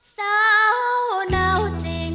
เศร้าเหนาจิง